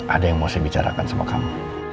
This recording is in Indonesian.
ada yang mau saya bicarakan sama kami